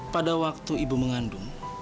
pada waktu ibu mengandung